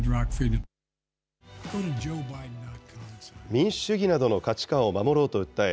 民主主義などの価値観を守ろうと訴え、